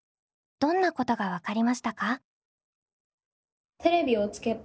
どんなことが分かりましたか？